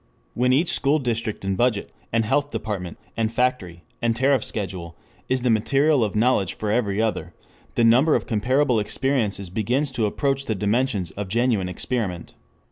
When each school district and budget, and health department, and factory, and tariff schedule, is the material of knowledge for every other, the number of comparable experiences begins to approach the dimensions of genuine experiment.